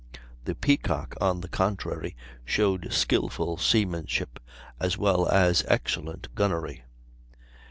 The Peacock, on the contrary, showed skilful seamanship as well as excellent gunnery.